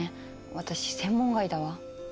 私専門外だわ。